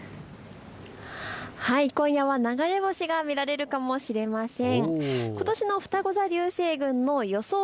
今夜は流れ星が見られるかもしれません。